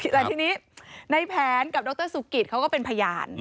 แต่ทีนี้ในแผนกับดรสุกิตเขาก็เป็นพยาน